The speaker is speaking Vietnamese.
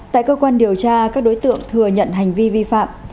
tại cơ quan điều tra các đối tượng thừa nhận hành vi vi phạm